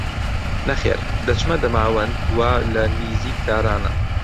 نەخێر دەچمە دەماوەند وا لە نیزیک تارانە